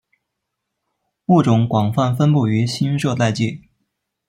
物种广泛分布于新热带界。